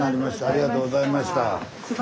ありがとうございます。